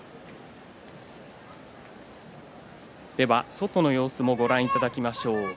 外の様子もご覧いただきましょう。